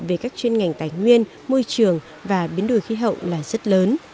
về các chuyên ngành tài nguyên môi trường và biến đổi khí hậu là rất lớn